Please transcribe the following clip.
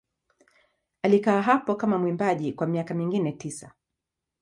Alikaa hapo kama mwimbaji kwa miaka mingine tisa.